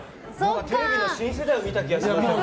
テレビの新世代を見た気がします。